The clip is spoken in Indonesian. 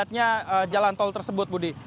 tepatnya jalan tol tersebut budi